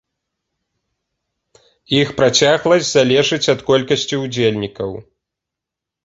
Іх працягласць залежыць ад колькасці удзельнікаў.